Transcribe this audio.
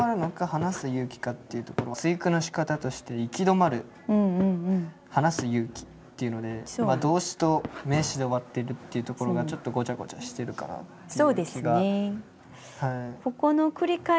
「離す勇気か」っていうとこの対句のしかたとして「行き止まる」「離す勇気」っていうので動詞と名詞で終わってるっていうところがちょっとごちゃごちゃしてるかなっていう気が。